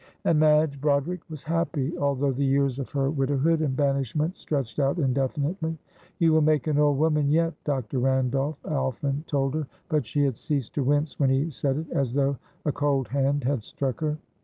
And Madge Broderick was happy, although the years of her widowhood and banishment stretched out indefinitely. "You will make an old woman yet," Dr. Randolph often told her, but she had ceased to wince when he said it as though a cold hand had struck her.